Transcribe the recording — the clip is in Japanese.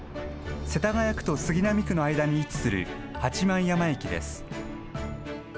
世田谷区と杉並区の間に位置する八幡山駅です。